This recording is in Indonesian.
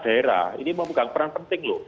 daerah ini memegang peran penting loh